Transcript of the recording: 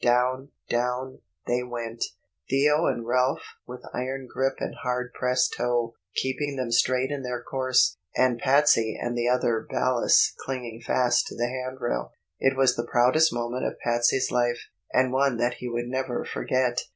Down—down—they went; Theo and Ralph with iron grip and hard pressed toe keeping them straight in their course, and Patsey and the other ballast clinging fast to the hand rail. It was the proudest moment of Patsey's life, and one that he would never forget.